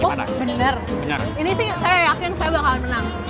oh bener bener ini sih saya yakin saya bakalan menang